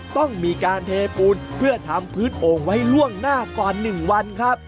ต้องมีการเทปูนเพื่อทำพื้นโอ่งไว้ล่วงหน้าก่อน๑วันครับ